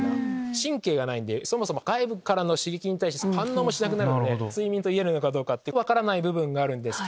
神経がないんで外部からの刺激に反応もしなくなるんで睡眠といえるのかどうか分からない部分があるんですけど。